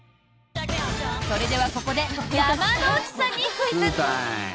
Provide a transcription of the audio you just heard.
それではここで山之内さんにクイズ！